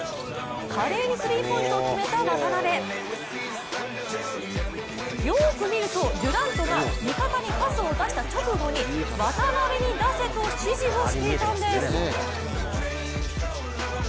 華麗にスリーポイントを決めた渡邊、よく見ると、デュラントが味方にパスを出した直後に渡邊に出せと指示をしていたんです。